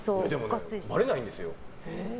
ばれないんですよ。